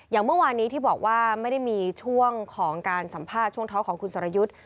อย่างเมื่อวานนี้ที่บอกว่าไม่ได้มีช่วงของการสัมภาษณ์ช่วงท้องของคุณสรยุทธ์